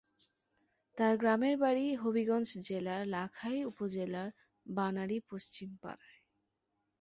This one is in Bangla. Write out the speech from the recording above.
তাঁর গ্রামের বাড়ি হবিগঞ্জ জেলার লাখাই উপজেলার বানারী পশ্চিম পাড়ায়।